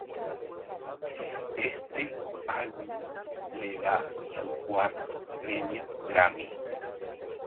Este álbum le da su cuarto premio Grammy.